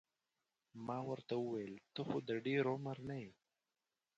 ما ورته وویل ته خو د ډېر عمر نه یې.